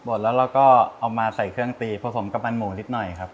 ดแล้วเราก็เอามาใส่เครื่องตีผสมกับมันหมูนิดหน่อยครับ